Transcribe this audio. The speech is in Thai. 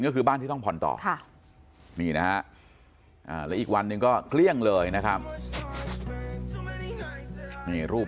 ก็คือบ้านที่ต้องผ่อนต่อมีอีกวันก็เครื่องเลยนะครับอีกรูป